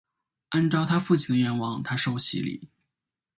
按照她父亲的愿望她受洗礼。